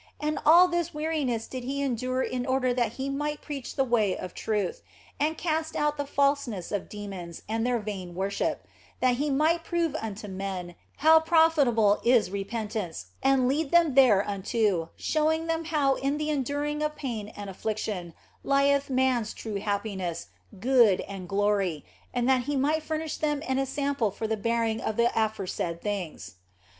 And all this weariness did He endure in order that He might preach the way of truth, and cast out the falseness of demons and their vain worship, that He might prove unto men how profitable is repentance, and lead them thereunto, showing them how in the enduring of pain and affliction lieth man s true happiness, good, and glory, and that He might furnish them an ensample for the bearing of the aforesaid things.